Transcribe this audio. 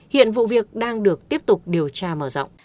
hiện vụ việc đang được tiếp tục điều tra mở rộng